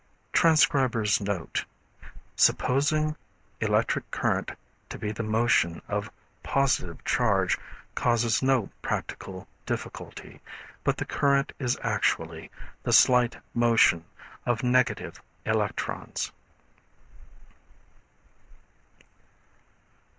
[Transcriber's note: Supposing electric current to be the motion of positive charge causes no practical difficulty, but the current is actually the (slight) motion of negative electrons.